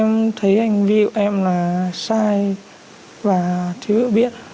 em thấy hành vi của em là sai và thiếu hiệu biết